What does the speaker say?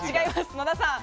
野田さん。